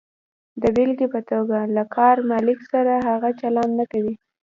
د بېلګې په توګه، له کار مالک سره هغه چلند نه کوئ.